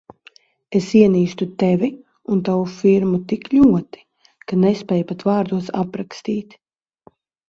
Es ienīstu Tevi un tavu firmu tik ļoti, ka nespēju pat vārdos aprakstīt.